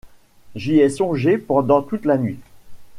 J’y ai songé pendant toute la nuit.